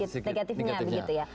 sedikit negatifnya begitu ya